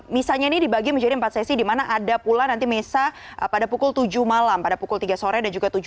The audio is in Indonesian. misalnya ini dibagi menjadi empat sesi di mana ada pula nanti mesa pada pukul tujuh malam pada pukul tiga sore dan juga tujuh belas